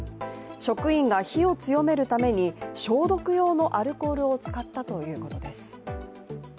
職員が火を強めるために消毒用のアルコールを使ったということです。